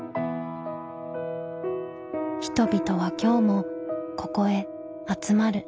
人々は今日もここへ集まる。